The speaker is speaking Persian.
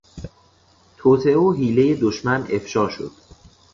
توطئه و حیلهٔ دشمن افشاء شد.